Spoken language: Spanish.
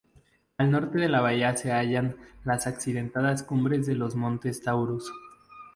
Al norte de la bahía se hallan las accidentadas cumbres de los Montes Taurus.